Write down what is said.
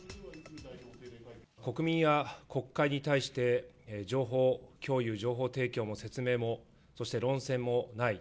国民や国会に対して情報共有、情報提供も説明もそして論戦もない。